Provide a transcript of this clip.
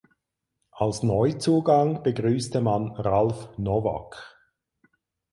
Als Neuzugang begrüßte man Ralf Novak.